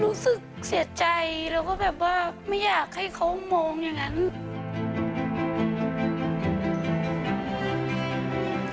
รู้สึกเสียใจแล้วก็แบบว่าไม่อยากให้เขามองอย่างนั้น